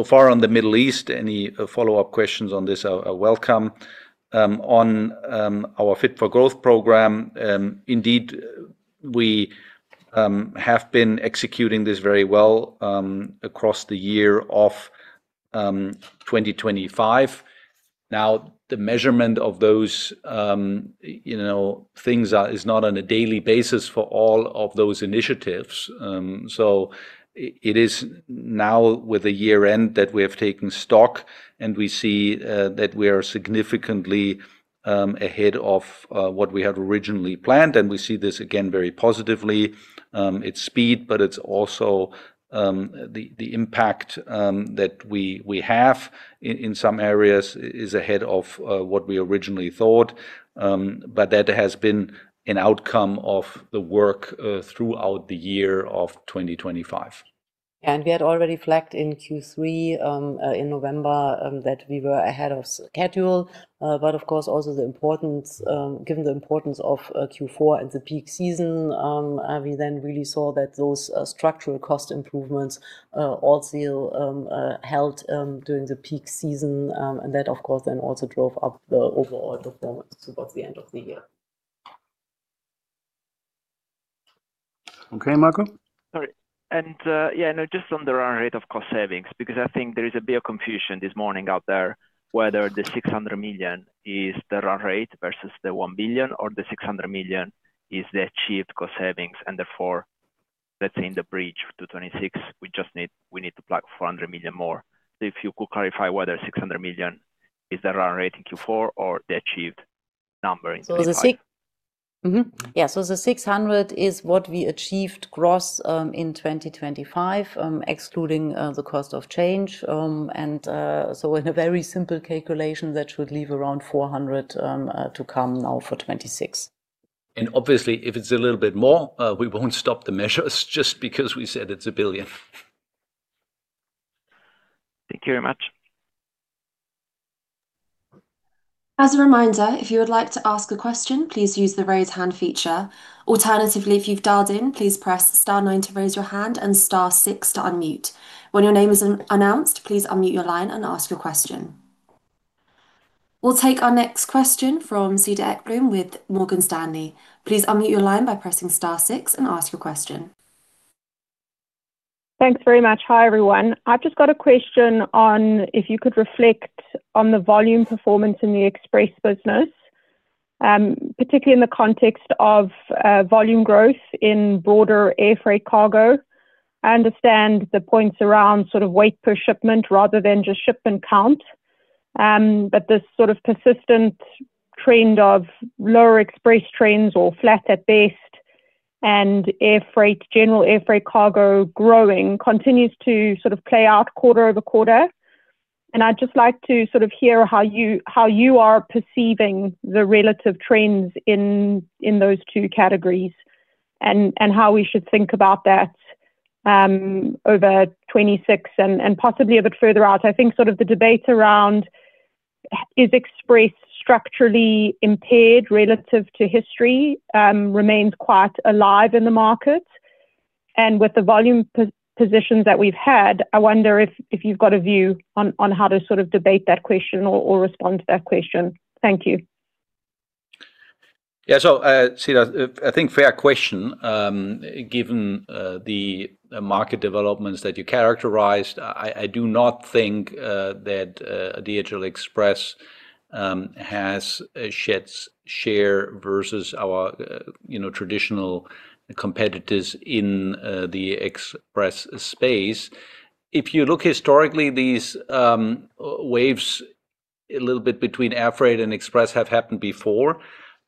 Far on the Middle East, any follow-up questions on this are welcome. On our Fit for Growth program, indeed we have been executing this very well across the year of 2025. The measurement of those, you know, things is not on a daily basis for all of those initiatives. It is now with the year-end that we have taken stock and we see that we are significantly ahead of what we had originally planned, and we see this again very positively. It's speed, but it's also the impact that we have in some areas is ahead of what we originally thought. That has been an outcome of the work throughout the year of 2025. We had already flagged in Q3 in November that we were ahead of schedule. Of course, also the importance, given the importance of Q4 and the peak season, we then really saw that those structural cost improvements also held during the peak season. That of course then also drove up the overall performance towards the end of the year. Okay, Marco. Sorry. Yeah, no, just on the run rate of cost savings, because I think there is a bit of confusion this morning out there whether the 600 million is the run rate versus the 1 billion or the 600 million is the achieved cost savings and therefore, let's say in the bridge to 2026, we need to plug 400 million more. If you could clarify whether 600 million is the run rate in Q4 or the achieved number in 20-. Yeah. The 600 is what we achieved gross in 2025, excluding the cost of change. In a very simple calculation that should leave around 400 to come now for 2026. Obviously, if it's a little bit more, we won't stop the measures just because we said it's 1 billion. Thank you very much. As a reminder, if you would like to ask a question, please use the raise hand feature. Alternatively, if you've dialed in, please press star nine to raise your hand and star six to unmute. When your name is announced, please unmute your line and ask your question. We'll take our next question from Sathish Sivakumar with Morgan Stanley. Please unmute your line by pressing star six and ask your question. Thanks very much. Hi, everyone. I've just got a question on if you could reflect on the volume performance in the Express business, particularly in the context of volume growth in broader airfreight cargo. I understand the points around sort of weight per shipment rather than just shipment count. But this sort of persistent trend of lower Express trends or flat at best and airfreight, general airfreight cargo growing continues to sort of play out quarter-over-quarter. I'd just like to sort of hear how you, how you are perceiving the relative trends in those two categories and how we should think about that over 2026 and possibly a bit further out. I think sort of the debate around is Express structurally impaired relative to history, remains quite alive in the market. With the volume positions that we've had, I wonder if you've got a view on how to sort of debate that question or respond to that question. Thank you. I think fair question, given the market developments that you characterized. I do not think that DHL Express has a sheds share versus our, you know, traditional competitors in the Express space. If you look historically, these waves a little bit between air freight and Express have happened before.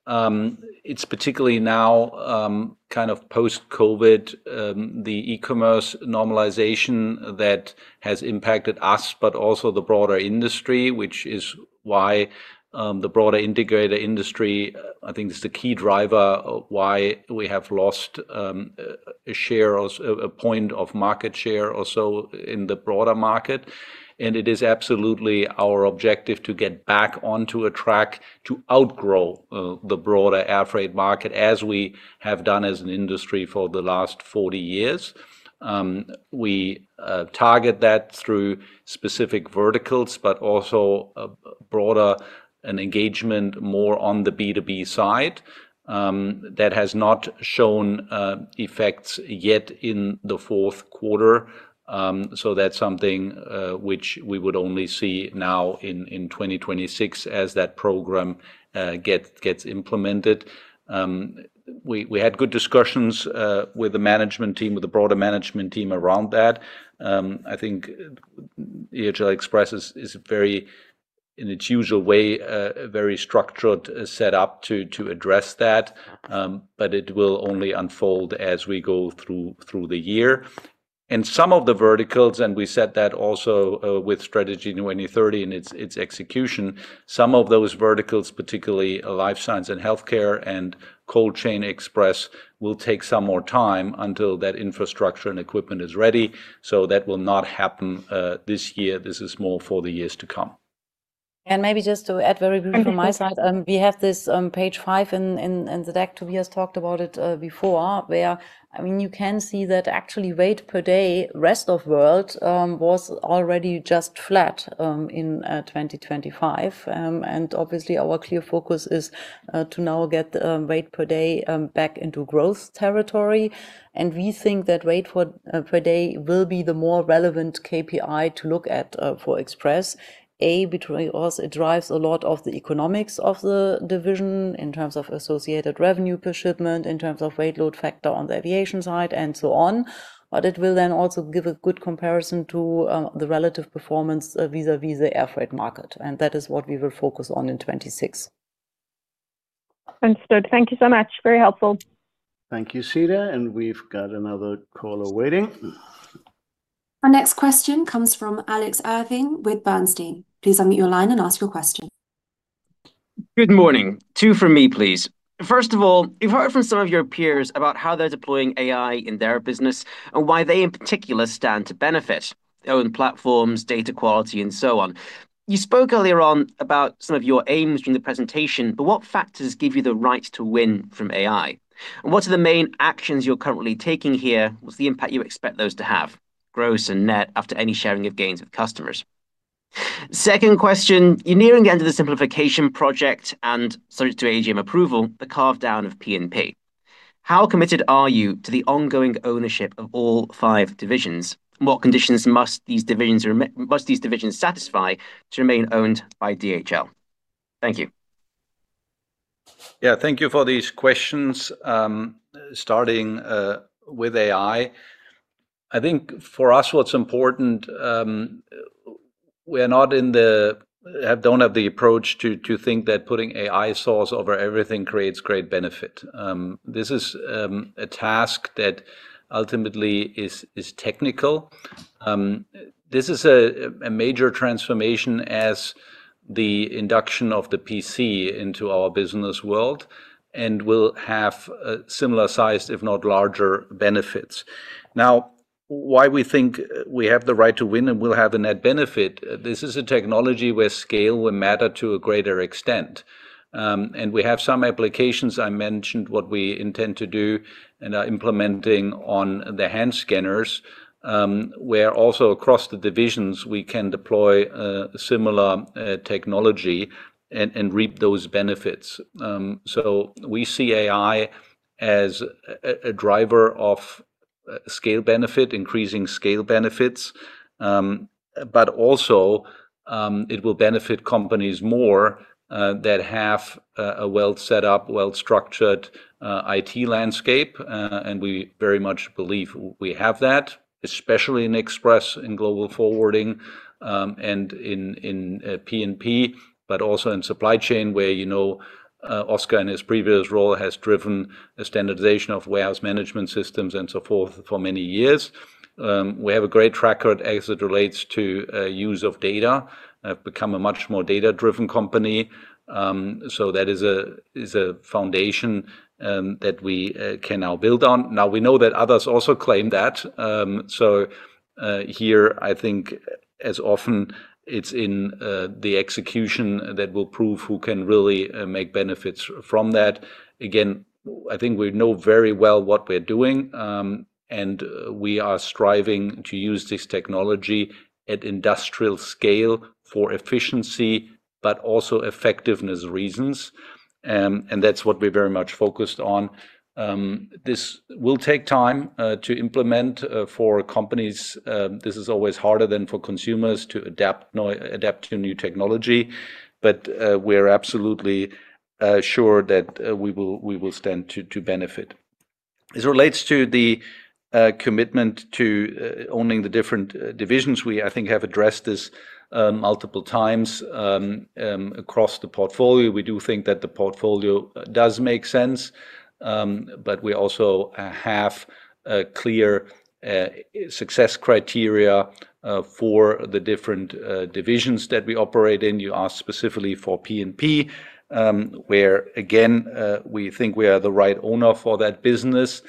It's particularly now kind of post-COVID, the e-commerce normalization that has impacted us, but also the broader industry, which is why the broader integrator industry, I think, is the key driver why we have lost a share or a point of market share or so in the broader market. It is absolutely our objective to get back onto a track to outgrow the broader airfreight market as we have done as an industry for the last 40 years. We target that through specific verticals, but also a broader and engagement more on the B2B side, that has not shown effects yet in the 4th quarter. That's something which we would only see now in 2026 as that program gets implemented. We had good discussions with the management team, with the broader management team around that. I think DHL Express is very, in its usual way, a very structured set up to address that. It will only unfold as we go through the year. Some of the verticals, and we said that also with Strategy 2030 and its execution. Some of those verticals, particularly life science and healthcare and cold chain express, will take some more time until that infrastructure and equipment is ready. That will not happen, this year. This is more for the years to come. Maybe just to add very briefly from my side, we have this Page five in the deck. Tobias talked about it before, where, I mean, you can see that actually weight per day rest of world was already just flat in 2025. Obviously, our clear focus is to now get weight per day back into growth territory. We think that weight per day will be the more relevant KPI to look at for Express. Also it drives a lot of the economics of the division in terms of associated revenue per shipment, in terms of weight load factor on the aviation side and so on. It will then also give a good comparison to the relative performance vis-a-vis the airfreight market, and that is what we will focus on in 26. Understood. Thank you so much. Very helpful. Thank you, Sathish. We've got another caller waiting. Our next question comes from Alex Irving with Bernstein. Please unmute your line and ask your question. Good morning. Two from me, please. First of all, we've heard from some of your peers about how they're deploying AI in their business and why they, in particular, stand to benefit. Own platforms, data quality, and so on. You spoke earlier on about some of your aims during the presentation. What factors give you the right to win from AI? What are the main actions you're currently taking here? What's the impact you expect those to have, gross and net after any sharing of gains with customers? Second question. You're nearing the end of the simplification project and subject to AGM approval, the carve down of P&P. How committed are you to the ongoing ownership of all five divisions? What conditions must these divisions satisfy to remain owned by DHL? Thank you. Yeah. Thank you for these questions. Starting with AI. I think for us what's important, we don't have the approach to think that putting AI source over everything creates great benefit. This is a task that ultimately is technical. This is a major transformation as the induction of the PC into our business world and will have similar sized, if not larger benefits. Now, why we think we have the right to win and will have a net benefit? This is a technology where scale will matter to a greater extent. We have some applications I mentioned what we intend to do and are implementing on the hand scanners, where also across the divisions we can deploy similar technology and reap those benefits. We see AI as a driver of scale benefit, increasing scale benefits, but also, it will benefit companies more that have a well-set-up, well-structured IT landscape. We very much believe we have that, especially in Express, in Global Forwarding, and in P&P, but also in Supply Chain, where, you know, Oscar in his previous role has driven a standardization of warehouse management systems and so forth for many years. We have a great track record as it relates to use of data. Have become a much more data-driven company. That is a foundation that we can now build on. We know that others also claim that. Here, I think as often it's in the execution that will prove who can really make benefits from that. Again, I think we know very well what we're doing, and we are striving to use this technology at industrial scale for efficiency, but also effectiveness reasons. That's what we're very much focused on. This will take time to implement for companies. This is always harder than for consumers to adapt to new technology. We're absolutely sure that we will stand to benefit. As it relates to the commitment to owning the different divisions, we, I think, have addressed this multiple times across the portfolio. We do think that the portfolio does make sense. We also have a clear success criteria for the different divisions that we operate in. You asked specifically for P&P, where again, we think we are the right owner for that business.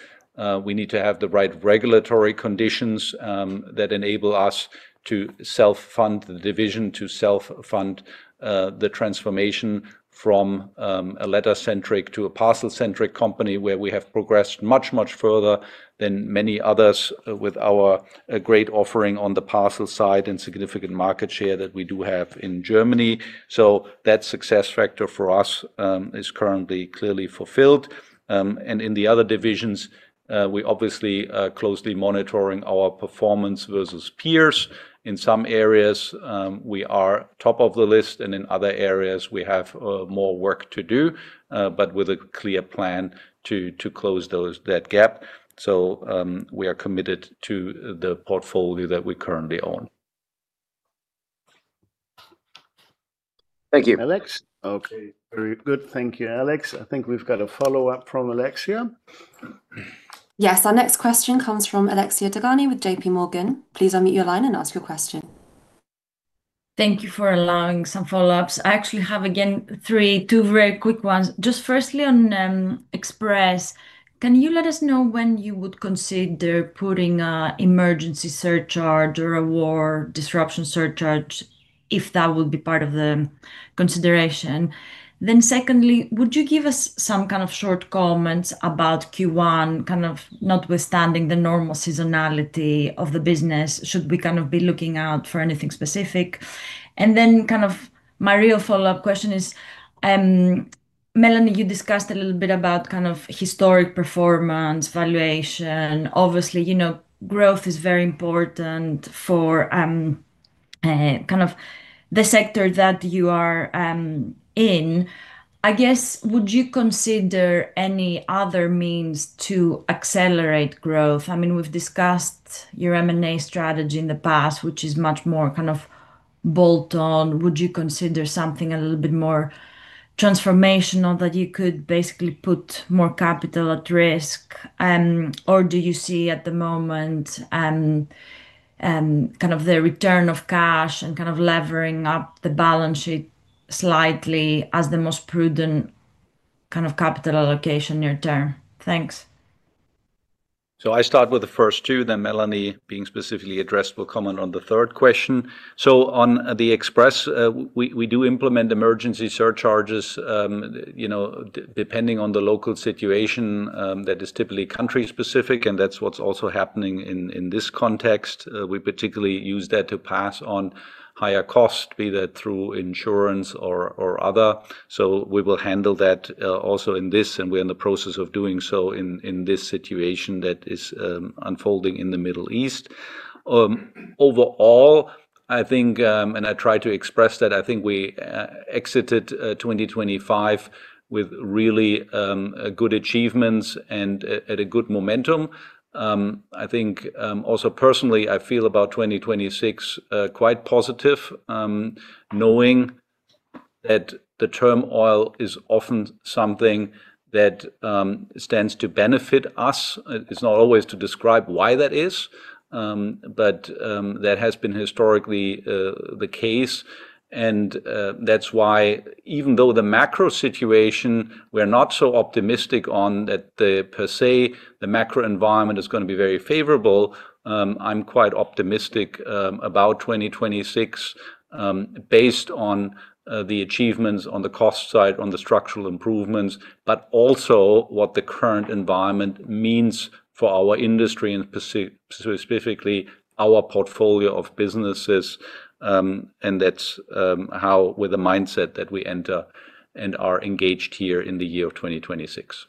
We need to have the right regulatory conditions that enable us to self-fund the division, to self-fund the transformation from a letter centric to a parcel centric company where we have progressed much, much further than many others with our great offering on the parcel side and significant market share that we do have in Germany. That success factor for us is currently clearly fulfilled. In the other divisions, we obviously are closely monitoring our performance versus peers. In some areas, we are top of the list, and in other areas, we have more work to do, but with a clear plan to close that gap. We are committed to the portfolio that we currently own. Thank you. Alex? Okay. Very good. Thank you, Alex. I think we've got a follow-up from Alexia. Yes. Our next question comes from Alexia Dogani with JPMorgan. Please unmute your line and ask your question. Thank you for allowing some follow-ups. I actually have, again, three... two very quick ones. Just firstly on Express, can you let us know when you would consider putting a emergency surcharge or a war disruption surcharge, if that would be part of the consideration? Secondly, would you give us some kind of short comments about Q1, kind of notwithstanding the normal seasonality of the business? Kind of my real follow-up question is, Melanie, you discussed a little bit about kind of historic performance, valuation. Obviously, you know, growth is very important for kind of the sector that you are in. I guess, would you consider any other means to accelerate growth? I mean, we've discussed your M&A strategy in the past, which is much more kind of bolt on. Would you consider something a little bit more transformational that you could basically put more capital at risk? Or do you see at the moment, kind of the return of cash and kind of levering up the balance sheet slightly as the most prudent kind of capital allocation near term? Thanks. I start with the first two, then Melanie, being specifically addressed, will comment on the third question. On the Express, we do implement emergency surcharges, you know, depending on the local situation, that is typically country specific, and that's what's also happening in this context. We particularly use that to pass on higher cost, be that through insurance or other. We will handle that also in this, and we're in the process of doing so in this situation that is unfolding in the Middle East. Overall, I think, and I try to express that, I think we exited 2025 with really good achievements and at a good momentum. I think also personally, I feel about 2026 quite positive, knowing that the turmoil is often something that stands to benefit us. It's not always to describe why that is, but that has been historically the case. That's why even though the macro situation, we're not so optimistic on that per se, the macro environment is gonna be very favorable. I'm quite optimistic about 2026 based on the achievements on the cost side, on the structural improvements, but also what the current environment means for our industry and specifically our portfolio of businesses. That's how with the mindset that we enter and are engaged here in the year of 2026.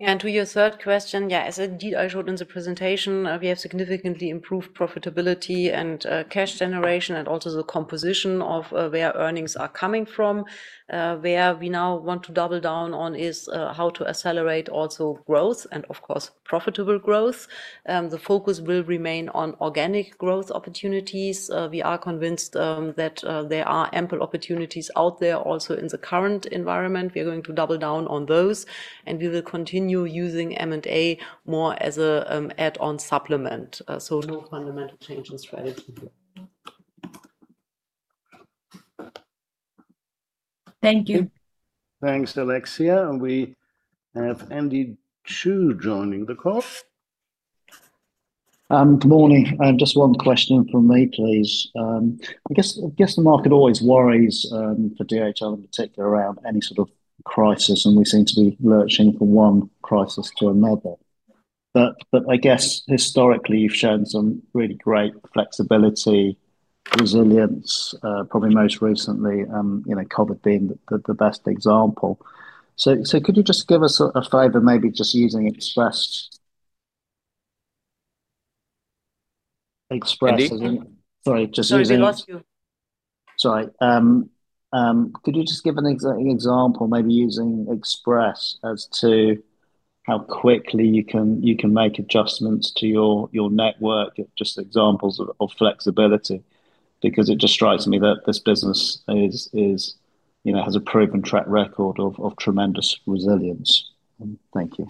To your third question, yeah, as indeed I showed in the presentation, we have significantly improved profitability and cash generation and also the composition of where earnings are coming from. Where we now want to double down on is how to accelerate also growth and, of course, profitable growth. The focus will remain on organic growth opportunities. We are convinced that there are ample opportunities out there also in the current environment. We're going to double down on those, and we will continue using M&A more as a add-on supplement. So no fundamental change in strategy. Thank you. Thanks, Alexia. We have Andy Chu joining the call. Good morning. Just one question from me, please. I guess the market always worries for DHL in particular around any sort of crisis, and we seem to be lurching from one crisis to another. I guess historically you've shown some really great flexibility, resilience, probably most recently, you know, COVID being the best example. Could you just give us a favor maybe just using Express as in- Andy? Sorry, just using- Sorry, we lost you. Sorry. Could you just give an example maybe using Express as to how quickly you can make adjustments to your network, just examples of flexibility? Because it just strikes me that this business is, you know, has a proven track record of tremendous resilience. Thank you.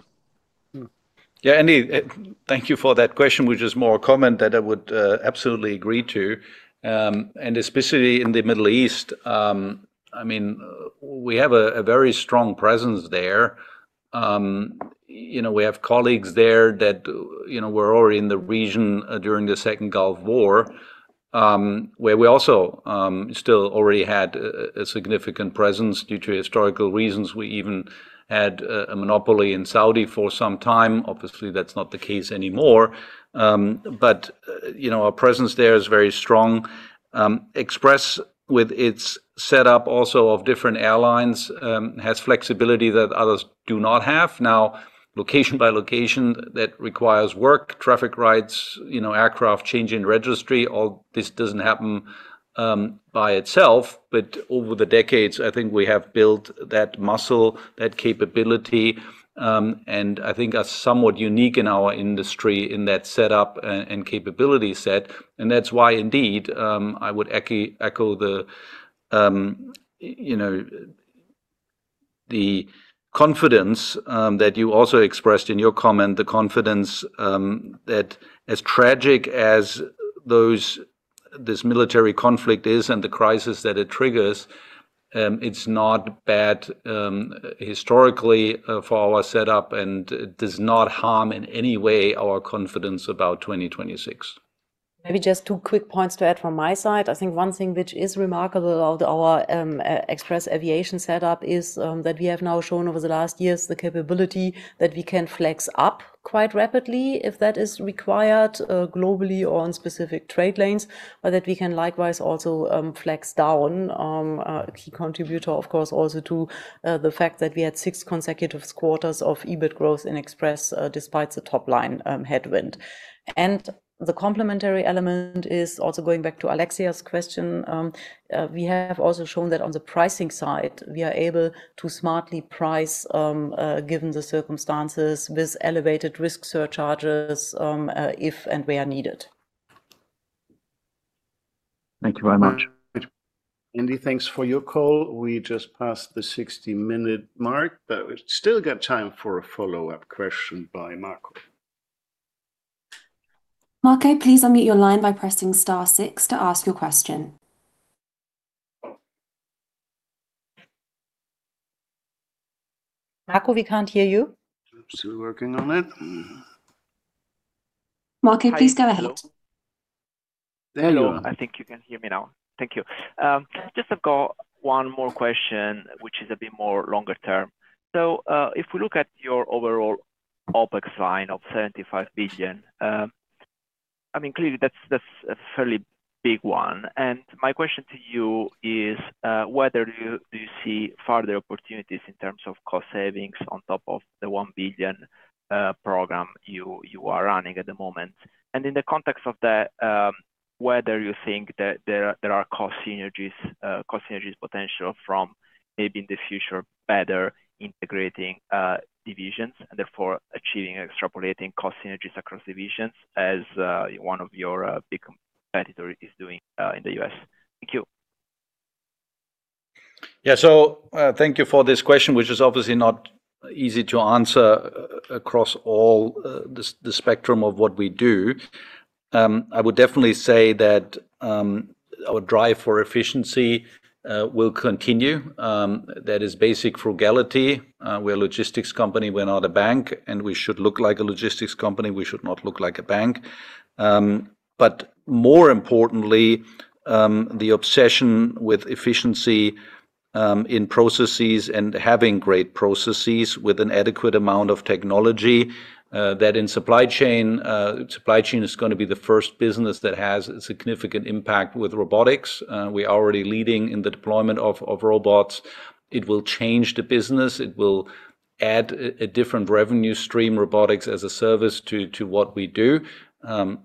Yeah, Andy, thank you for that question, which is more a comment that I would absolutely agree to. Especially in the Middle East, I mean, we have a very strong presence there. You know, we have colleagues there that, you know, were already in the region during the second Gulf War, where we also still already had a significant presence due to historical reasons. We even had a monopoly in Saudi for some time. Obviously, that's not the case anymore. You know, our presence there is very strong. Express, with its setup also of different airlines, has flexibility that others do not have. Now, location by location, that requires work, traffic rights, you know, aircraft changing registry. All this doesn't happen by itself, but over the decades I think we have built that muscle, that capability. I think are somewhat unique in our industry in that setup and capability set, and that's why indeed, I would echo the you know, the confidence that you also expressed in your comment. The confidence that as tragic as this military conflict is and the crisis that it triggers, it's not bad historically for our setup and does not harm in any way our confidence about 2026. Maybe just two quick points to add from my side. I think one thing which is remarkable about our Express Aviation setup is that we have now shown over the last years the capability that we can flex up quite rapidly if that is required, globally or on specific trade lanes. That we can likewise also flex down, a key contributor of course also to the fact that we had six consecutive quarters of EBIT growth in Express, despite the top line headwind. The complementary element is also going back to Alexia's question. We have also shown that on the pricing side, we are able to smartly price given the circumstances with elevated risk surcharges if and where needed. Thank you very much. Andy, thanks for your call. We just passed the 60-minute mark, but we've still got time for a follow-up question by Marco. Marco, please unmute your line by pressing star six to ask your question. Marco, we can't hear you. Oops, we're working on it. Hmm. Marco, please go ahead. Hi. Hello? There you are. Hello. I think you can hear me now. Thank you. I've got one more question, which is a bit more longer term. If we look at your overall OpEx sign of 75 billion, I mean clearly that's a fairly big one. My question to you is, do you see further opportunities in terms of cost savings on top of the 1 billion program you are running at the moment? In the context of that, whether you think that there are cost synergies potential from maybe in the future better integrating divisions and therefore achieving extrapolating cost synergies across divisions as one of your big competitors is doing in the U.S. Thank you. Thank you for this question, which is obviously not easy to answer across all the spectrum of what we do. I would definitely say that our drive for efficiency will continue. That is basic frugality. We're a logistics company, we're not a bank, and we should look like a logistics company. We should not look like a bank. More importantly, the obsession with efficiency in processes and having great processes with an adequate amount of technology, that in supply chain is gonna be the first business that has significant impact with robotics. We are already leading in the deployment of robots. It will change the business. It will add a different revenue stream robotics as a service to what we do,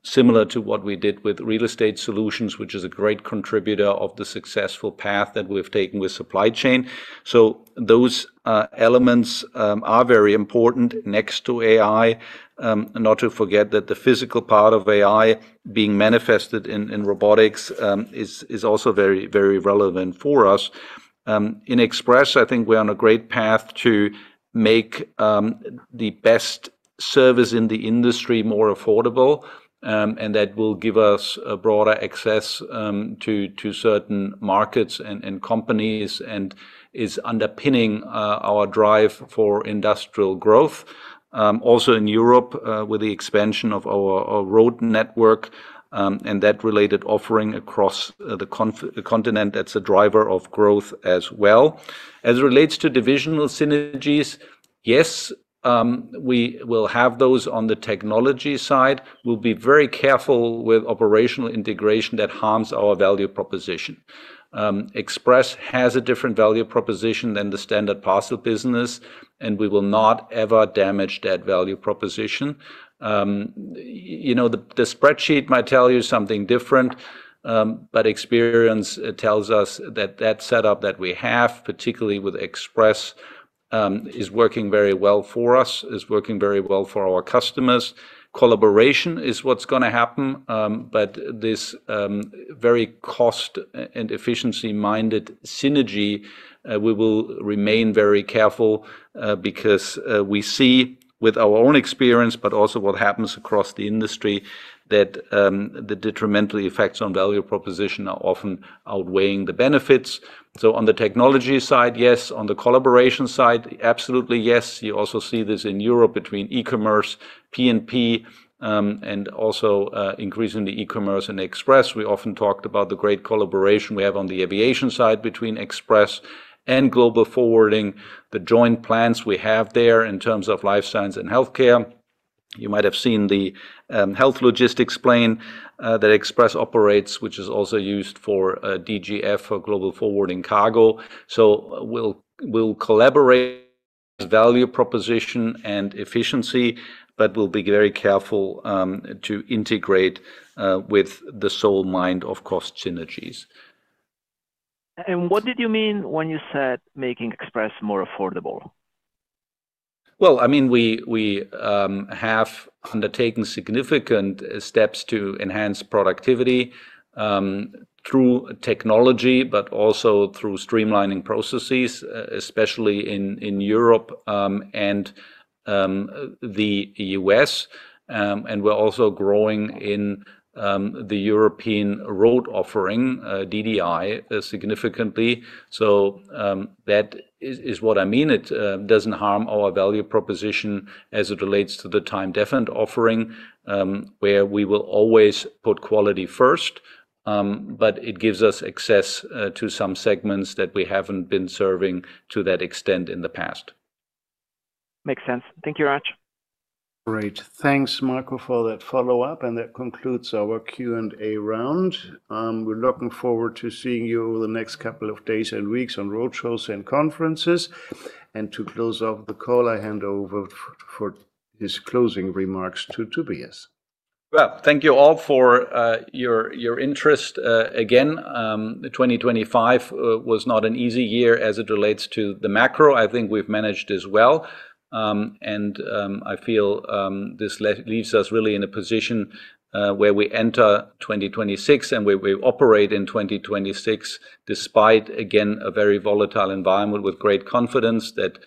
similar to what we did with real estate solutions, which is a great contributor of the successful path that we've taken with supply chain. Those elements are very important next to AI. Not to forget that the physical part of AI being manifested in robotics is also very, very relevant for us. In Express, I think we're on a great path to make the best service in the industry more affordable, and that will give us a broader access to certain markets and companies and is underpinning our drive for industrial growth. also in Europe, with the expansion of our road network, and that related offering across the continent, that's a driver of growth as well. As it relates to divisional synergies, yes, we will have those on the technology side. We'll be very careful with operational integration that harms our value proposition. Express has a different value proposition than the standard parcel business, and we will not ever damage that value proposition. you know, the spreadsheet might tell you something different, but experience tells us that that setup that we have, particularly with Express, is working very well for us, is working very well for our customers. Collaboration is what's gonna happen, but this very cost and efficiency-minded synergy, we will remain very careful because we see with our own experience, but also what happens across the industry that the detrimental effects on value proposition are often outweighing the benefits. On the technology side, yes. On the collaboration side, absolutely yes. You also see this in Europe between e-commerce, P&P, and also increasingly e-commerce and Express. We often talked about the great collaboration we have on the aviation side between Express and global forwarding, the joint plans we have there in terms of life science and healthcare. You might have seen the health logistics plane that Express operates, which is also used for DGF for global forwarding cargo. We'll collaborate value proposition and efficiency, but we'll be very careful to integrate with the sole mind of cost synergies. What did you mean when you said making Express more affordable? Well, I mean, we have undertaken significant steps to enhance productivity through technology, but also through streamlining processes, especially in Europe and the U.S. We're also growing in the European road offering, DDI, significantly. That is what I mean. It doesn't harm our value proposition as it relates to the time different offering, where we will always put quality first. It gives us access to some segments that we haven't been serving to that extent in the past. Makes sense. Tank you, guys. Great. Thanks, Marco, for that follow-up. That concludes our Q&A round. We're looking forward to seeing you over the next couple of days and weeks on roadshows and conferences. To close off the call, I hand over for his closing remarks to Tobias. Well, thank you all for your interest. Again, 2025 was not an easy year as it relates to the macro. I think we've managed as well. I feel this leaves us really in a position where we enter 2026 and where we operate in 2026 despite, again, a very volatile environment with great confidence that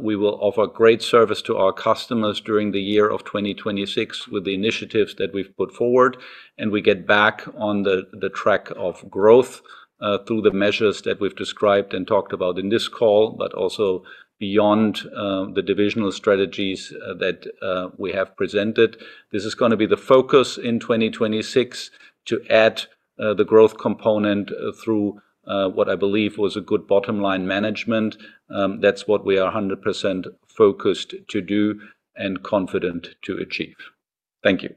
we will offer great service to our customers during the year of 2026 with the initiatives that we've put forward, and we get back on the track of growth through the measures that we've described and talked about in this call, but also beyond the divisional strategies that we have presented. This is gonna be the focus in 2026 to add, the growth component through, what I believe was a good bottom line management. That's what we are 100% focused to do and confident to achieve. Thank you.